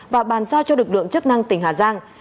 và bàn sao cho lực lượng chất năng tỉnh hà giang